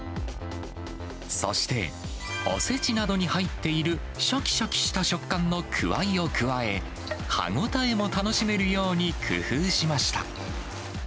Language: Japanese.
そして、おせちなどに入っているしゃきしゃきした食感のクワイを加え、歯応えも楽しめるように工夫しました。